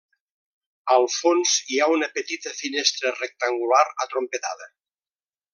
Al fons hi ha una petita finestra rectangular atrompetada.